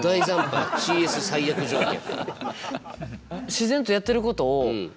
ＣＳ最悪条件。